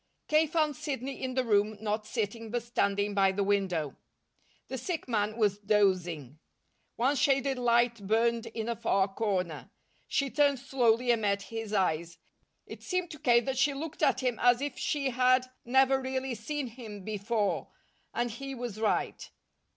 K. found Sidney in the room, not sitting, but standing by the window. The sick man was dozing. One shaded light burned in a far corner. She turned slowly and met his eyes. It seemed to K. that she looked at him as if she had never really seen him before, and he was right.